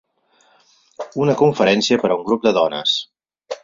Una conferència per a un grup de dones.